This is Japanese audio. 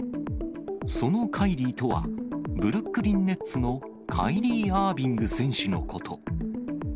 そのカイリーとは、ブルックリン・ネッツのカイリー・アービング選手のこと。